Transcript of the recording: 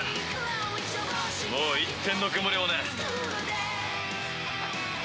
もう一点の曇りもねえ。